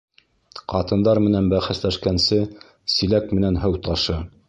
Ҡатындар менән бәхәсләшкәнсе, силәк менән һыу ташы.